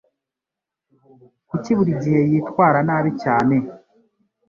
Kuki buri gihe yitwara nabi cyane?